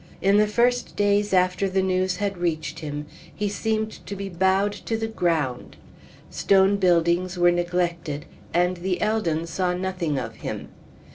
In the first days after the news had reached him he seemed to be bowed to the ground. Stone Buildings were neglected, and the Eldon saw nothing of him.